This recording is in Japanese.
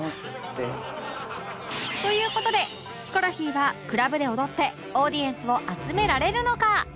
という事でヒコロヒーはクラブで踊ってオーディエンスを集められるのか？